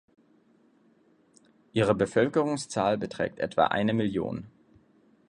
Ihre Bevölkerungszahl beträgt etwa eine Million.